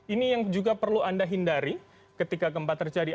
ini yang juga perlu anda hindari ketika gempa terjadi